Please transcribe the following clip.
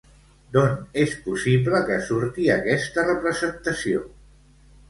D'on és possible que surti aquesta representació?